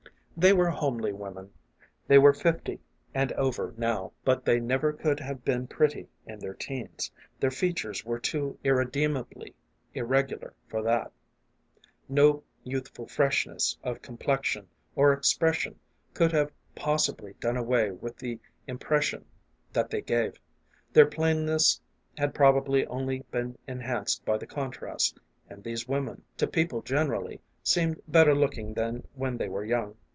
They were homely women ; they were fifty and over now, but they never could have been pretty in their teens, their features were too irredeemably irregular for that. No youthful freshness of complexion or expression could have 2 ! A FAR AWAY MELOD Y. possibly done away with the impression that they gave. Their plainness had probably only been enhanced by the contrast, and these women, to people generally, seemed bet ter looking than when they were young.